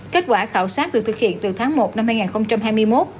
kết quả khảo sát được thực hiện từ tháng một năm hai nghìn hai mươi một